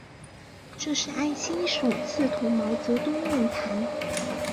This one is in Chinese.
这是艾青首次同毛泽东面谈。